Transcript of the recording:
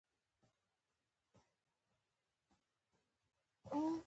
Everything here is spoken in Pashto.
هر حکومت د ملي تلویزون تمرکز پر تبلیغاتو وي.